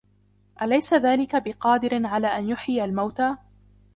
أَلَيْسَ ذَلِكَ بِقَادِرٍ عَلَى أَن يُحْيِيَ الْمَوْتَى